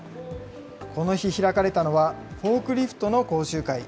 この日、開かれたのは、フォークリフトの講習会。